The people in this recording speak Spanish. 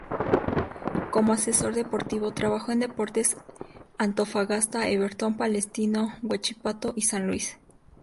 Como asesor deportivo trabajó en Deportes Antofagasta, Everton, Palestino, Huachipato y San Luis.